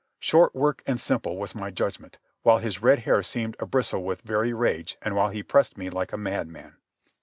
"Short work and simple" was my judgment, while his red hair seemed a bristle with very rage and while he pressed me like a madman.